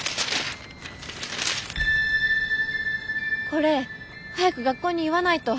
これ早く学校に言わないと。